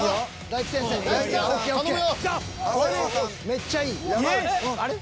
めっちゃいい。あれ？